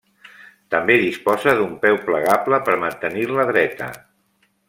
També disposa d'un peu plegable per mantenir-la dreta.